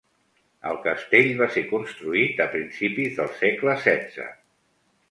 El castell va ser construït a principis del segle XVI.